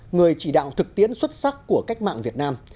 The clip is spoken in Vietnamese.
người chỉ đạo thực tiễn xuất sắc của cách mạng việt nam